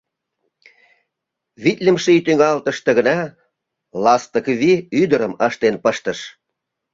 Витлымше ий тӱҥалтыште гына Ластыквий ӱдырым ыштен пыштыш.